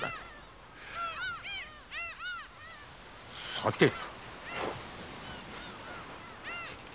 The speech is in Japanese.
さてと。